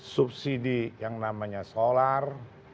subsidi yang namanya solar